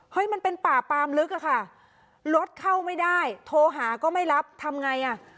มันเป็นป่าปามลึกอะค่ะรถเข้าไม่ได้โทรหาก็ไม่รับทำไงอ่ะ